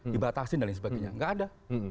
dibatasi dan sebagainya tidak ada